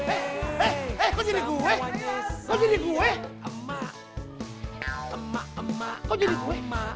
kau jadi gue